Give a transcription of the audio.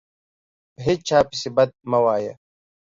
په هیچا پسي بد مه وایه